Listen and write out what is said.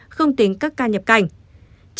không tính các ca nhập cảnh